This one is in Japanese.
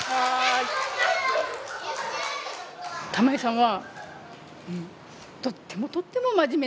玉井さんは。